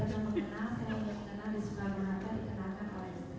dan bukan karena saya yang mengetahui